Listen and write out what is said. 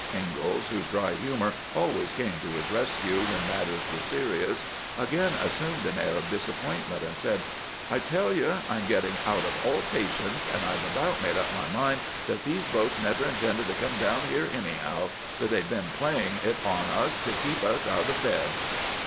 Ingalls, whose dry humor always came to his rescue when matters were serious, again assumed an air of disappointment, and said :" I tell you, I 'm getting out of all patience, and I 've about made up my mind that these boats never intended to come down here anyhow — that they 've just been playing it on us to keep us out of bed."